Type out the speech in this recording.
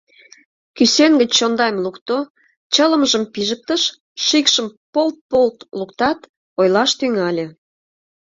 Кӱсен гыч чондайым лукто, чылымжым пижыктыш, шикшым полт-полт луктат, ойлаш тӱҥале: